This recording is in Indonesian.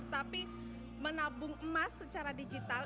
tapi menabung emas secara digital